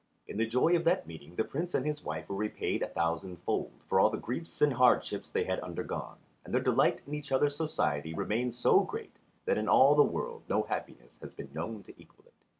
In the joy of that meeting the Prince and his wife were repaid a thousandfold for all the griefs and hardships they had undergone: and their delight in each other's society remained so great that in all the world no happiness has been known to equal it.